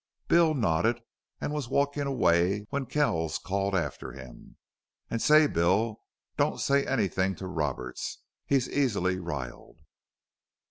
Bill nodded, and was walking away when Kells called after him: "And say, Bill, don't say anything to Roberts. He's easily riled."